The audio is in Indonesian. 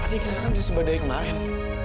ada yang kenal kan dari sebagian kemarin